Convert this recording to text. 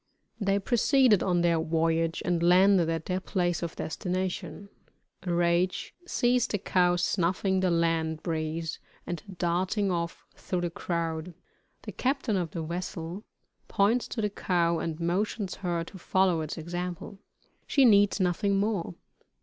They proceeded on their voyage and landed at their place of destination. Rache sees the cow snuffing the land breeze and darting off through the crowd. The captain of the vessel points to the cow and motions her to follow its example. She needs nothing more.